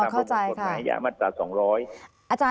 ความรบบทกฎหมายอย่างมาตรา๒๐๐